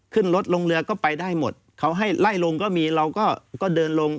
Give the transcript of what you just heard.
ขึ้นรถลงเรือก็ไปได้หมดเขาให้ไล่ลงก็มีเราก็เดินลง